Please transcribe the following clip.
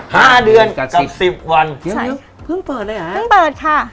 ห้าเดือนกับสิบวันเพิ่งเปิดเลยหรอสวัสดีครับเพิ่งเปิดค่ะ